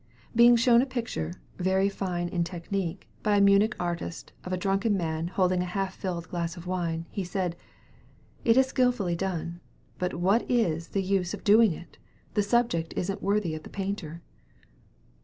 Being shown a picture, very fine in technique, by a Munich artist, of a drunken man, holding a half filled glass of wine, he said, "It's skilfully done, but what is the use of doing it! The subject isn't worthy of the painter."